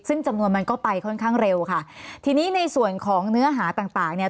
ซึ่งจำนวนมันก็ไปค่อนข้างเร็วค่ะทีนี้ในส่วนของเนื้อหาต่างต่างเนี่ย